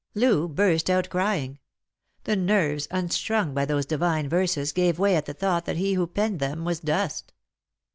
Loo burst out crying. The nerves, unstrung by those divine verses, gave way at the thought that he who penned them was dust.